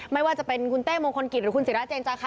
ไม่ว่าจะเป็นคุณเต้มงคลกิจหรือคุณศิราเจนจาคะ